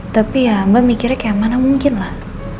tapi ya mbak mikirnya kayak mana mungkin lah